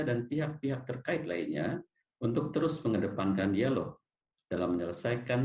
dan pihak pihak terkait lainnya untuk terus mengedepankan dialog dalam menyelesaikan